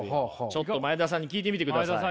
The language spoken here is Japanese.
ちょっと前田さんに聞いてみてください。